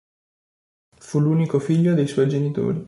Fu l'unico figlio dei suoi genitori.